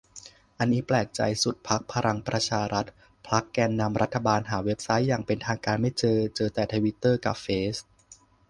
อันนี้แปลกใจสุด พรรคพลังประชารัฐ พรรคแกนรัฐบาล หาเว็บไซต์อย่างเป็นทางการไม่เจอ เจอแต่ทวิตเตอร์กะเฟซ